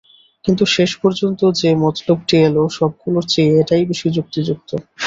কিন্তু শেষপর্যন্ত যে মতলবটি এল সবগুলোর চেয়ে এটিই বেশি যুক্তিযুক্ত।